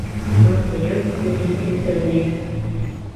Васыят үлем килтермәй.